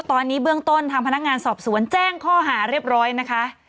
ตอนนี้เบื้องต้นทางพนักงานสอบสวนแจ้งข้อหาเรียบร้อยนะคะ